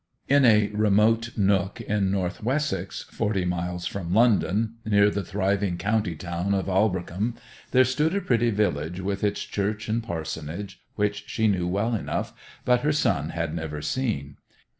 In a remote nook in North Wessex, forty miles from London, near the thriving county town of Aldbrickham, there stood a pretty village with its church and parsonage, which she knew well enough, but her son had never seen.